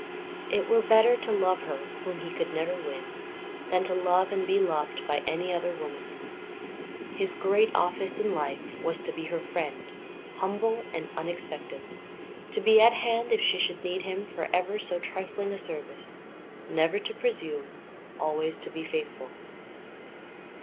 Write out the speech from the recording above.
It were better to love her, whom he could never win, than to love and be loved by any other woman. His great office in life was to be her friend, humble and unexpectant; to be at hand if she should need him for ever so trifling a service; never to presume, always to be faithful.